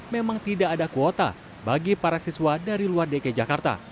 memang tidak ada kuota bagi para siswa dari luar dki jakarta